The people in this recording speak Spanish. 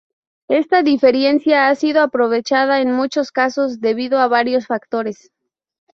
Esta diferencia no ha sido aprovechada en muchos casos debido a varios factores.